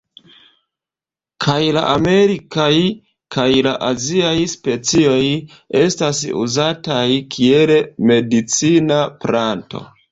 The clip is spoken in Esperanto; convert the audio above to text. Kaj la amerikaj kaj la aziaj specioj estas uzataj kiel medicina planto.